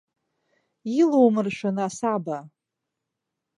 Илоумыршәын асаба.